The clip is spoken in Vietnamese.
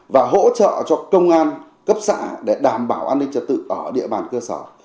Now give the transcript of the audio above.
và hỗ trợ cho công an cấp xã để đảm bảo an ninh trật tự ở địa bàn cơ sở